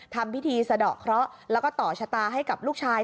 ทำพิธีสะดอกเคราะห์แล้วก็ต่อชะตาให้กับลูกชาย